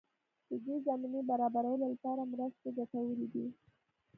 د دې زمینې برابرولو لپاره مرستې ګټورې دي.